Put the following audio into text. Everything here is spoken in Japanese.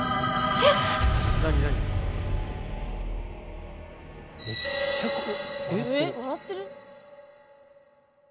えっ笑ってる。